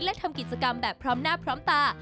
และทำกิจกรรมแบบพร้อมหน้าพร้อมตา